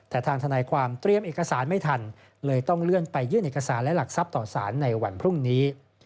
แต่ทางทนายความเตรียมเอกสารไม่ทันเลยต้องเลื่อนไปยื่นเอกสารและหลักทรัพย์ต่อสารในวันพรุ่งนี้